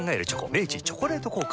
明治「チョコレート効果」